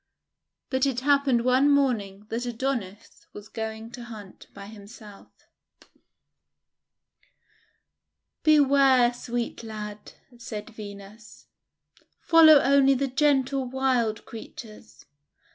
But it happened one morning that Adonis was going to hunt by himself. * Beware, sweet lad," said Venus; "follow only the gentle wild creatures.